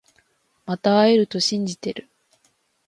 また会えると信じてる